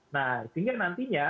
nah sehingga nantinya